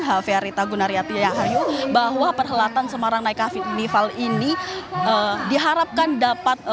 hafearita gunariati yang hari bahwa perhelatan semarang naik hafif nifal ini diharapkan dapat